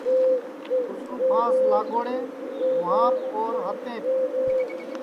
اُس کُو پھانٚس لاگوڑے مُہاپ اور ہاتیںٚپ